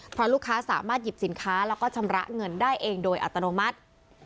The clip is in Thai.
เพราะลูกค้าสามารถหยิบสินค้าแล้วก็ชำระเงินได้เองโดยอัตโนมัติ